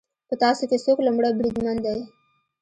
په تاسو کې څوک لومړی بریدمن دی